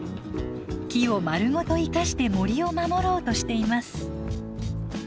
木をまるごと生かして森を守ろうとしています。